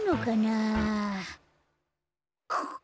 あっ？